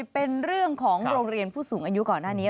เป็นเรื่องของโรงเรียนผู้สูงอายุก่อนหน้านี้